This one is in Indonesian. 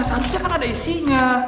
seharusnya kan ada isinya